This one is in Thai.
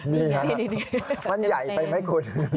นี่ไงมันใหญ่ไปไหมคุณ